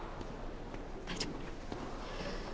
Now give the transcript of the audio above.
大丈夫。